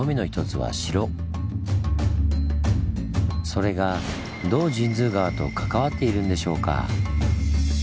それがどう神通川と関わっているんでしょうか？